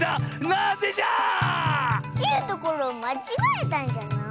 なぜじゃ⁉きるところをまちがえたんじゃない？